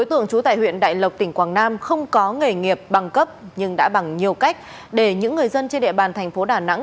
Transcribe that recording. chúng tôi cũng đã xác định được là đối tượng đang hoạt động trên địa bàn các quận của thành phố đà nẵng